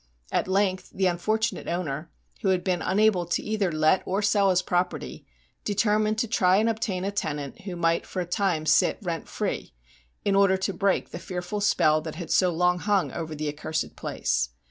At length the unfortunate owner, who had been unable to either let or sell his property, determined to try and obtain a tenant who might for a time sit rent free, in order to break the fearful spell that had so long hung over the accursed place.